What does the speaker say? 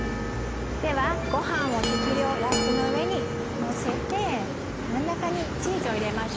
ではごはんを適量ラップの上にのせて真ん中にチーズを入れましょう。